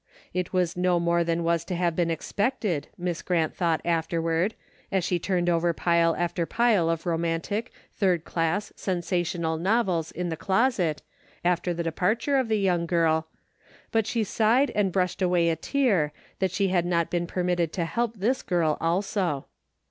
It was no more than was to have been expected. Miss Grant thought afterward, as she turned over pile after pile of romantic, third class, sensa tional novels in the closet, after the departure of the young girl, but she sighed and brushed away a tear, that she had not been permitted to help this girl also.